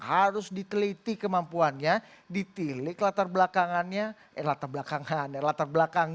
harus diteliti kemampuannya ditilik latar belakangannya eh latar belakangan eh latar belakangan